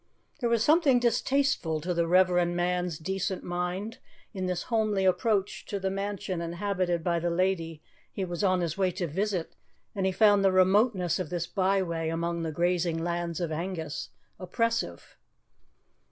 There was something distasteful to the reverend man's decent mind in this homely approach to the mansion inhabited by the lady he was on his way to visit, and he found the remoteness of this byway among the grazing lands of Angus oppressive.